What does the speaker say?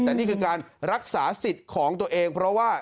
แต่นี่คือการรักษาสิทธิ์ของตัวเองเพราะว่า